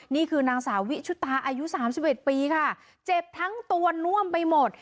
นี่คือนางสาววิชุตาอายุ๓๑ปีค่ะเจ็บทั้งตัวน่วมไปหมด